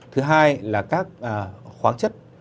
thứ hai là các khoáng chất